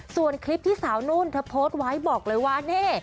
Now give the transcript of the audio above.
ส่วนคลิปที่สาวนุ่นเธอโพสต์ไว้บอกเลยว่านี่